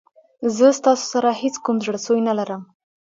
زه ستاسو سره هېڅ کوم زړه سوی نه لرم.